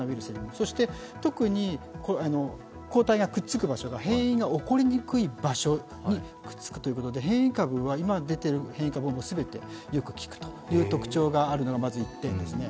そして、特に抗体がくっつく場所が変異が起こりにくい場所にくっつくというので今出ている変異株は全てよく効くという特徴が１点。